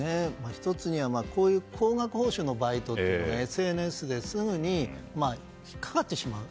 １つにはこういう高額報酬のバイトはＳＮＳですぐに引っかかってしまう。